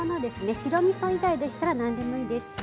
白みそ以外でしたら何でもいいです。